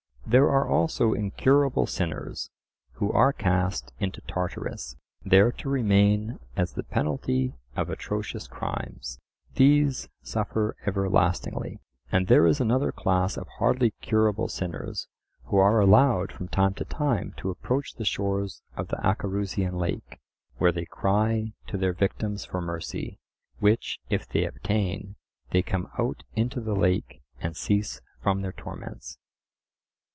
There are also incurable sinners, who are cast into Tartarus, there to remain as the penalty of atrocious crimes; these suffer everlastingly. And there is another class of hardly curable sinners who are allowed from time to time to approach the shores of the Acherusian lake, where they cry to their victims for mercy; which if they obtain they come out into the lake and cease from their torments.